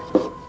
sama orang lain